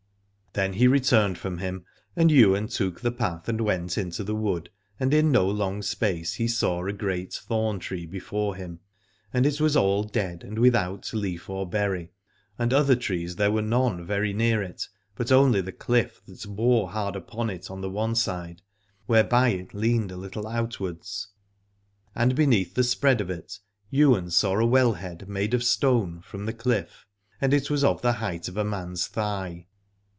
Then he returned from him, and Ywain took the path and went into the wood, and in no long space he saw a great thorn tree before him, and it was all dead and without leaf or berry, and other trees there were none very near it, but only the cliff that bore hard upon it on the one side, whereby it leaned a little outwards. And beneath the spread of it Ywain saw a well head made of stone from the cliff, and it was of the height of a man's thigh.